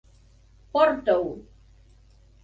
Porta-ho!